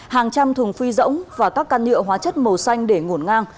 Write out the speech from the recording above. hàng trăm thùng phi rỗng và các căn nhựa hóa chất màu xanh để ngủn ngang